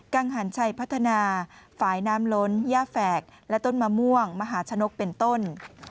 ังหันชัยพัฒนาฝ่ายน้ำล้นย่าแฝกและต้นมะม่วงมหาชนกเป็นต้น